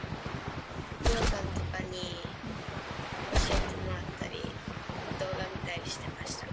お父さんとかに教えてもらったり、動画見たりしてました。